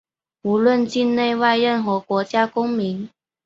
无论境内外、任何国家公民